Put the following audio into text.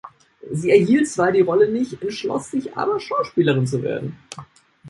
Sie erhielt zwar die Rolle nicht, entschloss sich aber, Schauspielerin zu werden.